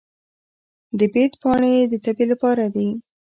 د بید پاڼې د تبې لپاره دي.